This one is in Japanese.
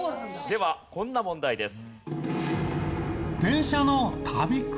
ではこんな問題です。